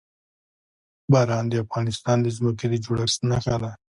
باران د افغانستان د ځمکې د جوړښت نښه ده.